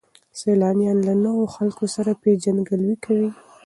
سیلانیان له نویو خلکو سره پیژندګلوي کوي.